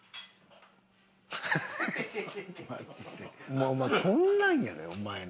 もうお前こんなんやでお前の。